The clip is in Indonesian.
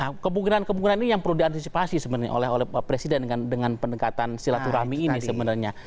nah kemungkinan kemungkinan ini yang perlu diantisipasi sebenarnya oleh presiden dengan pendekatan silaturahmi ini sebenarnya